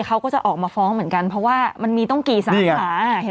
เขาก็จะออกมาฟ้องเหมือนกันเพราะว่ามันมีต้องกี่สาขา